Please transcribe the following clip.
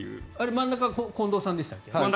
真ん中は近藤さんでしたっけ。